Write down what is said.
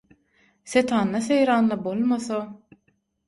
Setanda-seýranda bolmasa